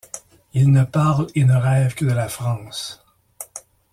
Il ne parle et ne rêve que de la France.